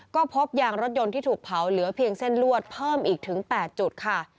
ก็พบยางรถยนต์ที่ถูกเผาเหลือเพียงเส้นลวดเพิ่มอีกถึง๘จุดค่ะ